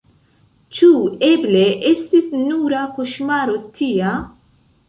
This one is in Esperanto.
Ĉu eble estis nura koŝmaro tia?